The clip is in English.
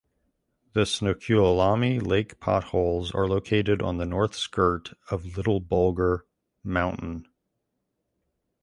The Snoqualmie Lake Potholes are located on the north skirt of Little Bulger mountain.